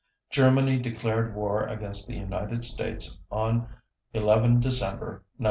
Germany declared war against the United States on 11 December 1941.